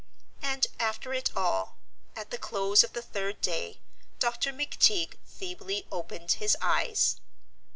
And after it all, at the close of the third day, Dr. McTeague feebly opened his eyes.